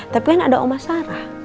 tapi kan ada oma sarah